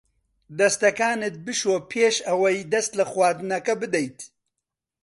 دەستەکانت بشۆ پێش ئەوەی دەست لە خواردنەکە بدەیت.